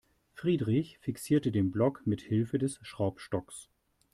Friedrich fixierte den Block mithilfe des Schraubstocks.